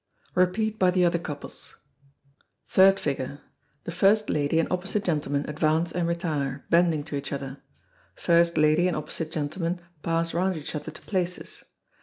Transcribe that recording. Repeated by the other couples. Third Figure. The first lady and opposite gentleman advance and retire, bending to each other. First lady and opposite gentleman pass round each other to places.